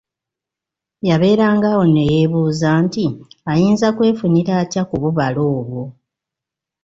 Yabeeranga awo ne yeebuuza nti ayinza kwefunira atya ku bubala obwo?